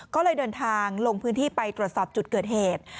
ก็เลยเดินทางลงพื้นที่ไปตรวจสอบจุดเกิดเหตุ